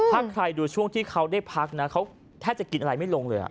ถ้าใครดูช่วงที่เขาได้พักนะเขาแทบจะกินอะไรไม่ลงเลย